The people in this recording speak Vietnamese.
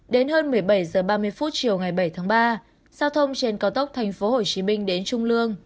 đến hơn một mươi bảy h ba mươi chiều ngày bảy tháng ba giao thông trên cao tốc tp hcm đến trung lương